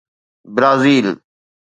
Brazil